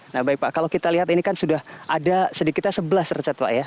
nah baik pak kalau kita lihat ini kan sudah ada sedikitnya sebelas richard pak ya